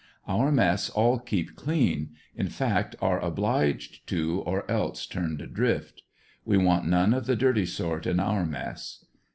Our mess all keep clean, in fact are oblige! to or else turned adrift. We want none of the dirty sort in our mess.